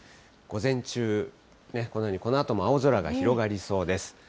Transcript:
午前中、このようにこのあとも青空が広がりそうです。